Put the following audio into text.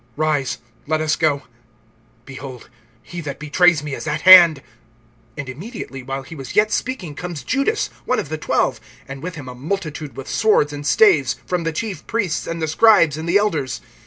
(42)Rise, let us go; behold, he that betrays me is at hand. (43)And immediately, while he was yet speaking, comes Judas, one of the twelve, and with him a multitude with swords and staves, from the chief priests and the scribes and the elders.